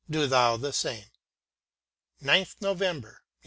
Do thou the same ! gth November 1833.